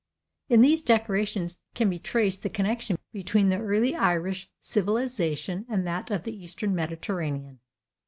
In these decorations can be traced the connection between the early Irish civilization and that of the eastern Mediterranean.